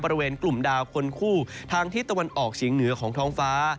บริเวณกลุ่มดาวคนคู่ทางทิศตะวันออกเฉียงเหนือของท้องฟ้า